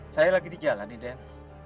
saya lagi di jalan ya dan